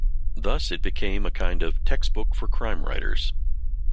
Thus, it became a kind of "textbook for crime writers".